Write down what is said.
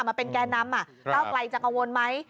มาเป็นแก่นำก้าวไกลจะกังวลไหม